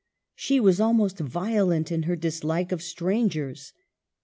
She was almost violent in her dislike of strangers.